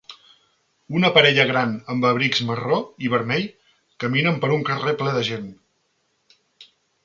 Una parella gran amb abrics marró i vermell caminen per un carrer ple de gent.